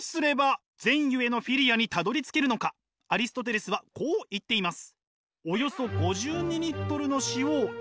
アリストテレスはこう言っています。